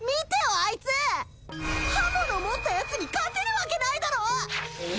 あいつ刃物持ったやつに勝てるわけないだろえ